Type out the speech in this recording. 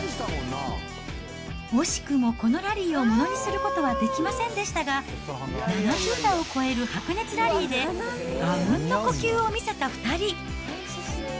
惜しくもこのラリーをものにすることはできませんでしたが、７０打を超える白熱ラリーで、あうんの呼吸を見せた２人。